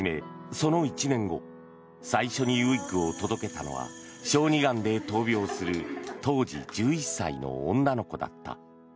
その１年後最初にウィッグを届けたのは小児がんで闘病する当時１１歳の女の子だった。